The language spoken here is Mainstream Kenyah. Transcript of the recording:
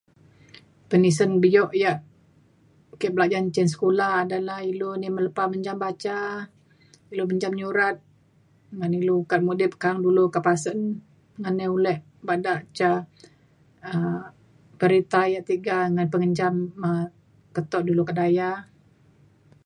Penisen bio yak ake belajan cin sekula adalah ilu ni lepa menjam ca ilu menjam nyurat ngan ilu ukat mudip ka’ang dulu kak pasen ngan nai ulek bada ca um berita yak tiga ngan pengenjam um keto ilu kedaya.